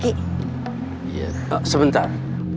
iya pak sebentar